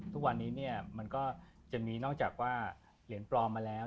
ทุกวันนี้มันก็จะมีนอกจากว่าเหรียญปลอมมาแล้ว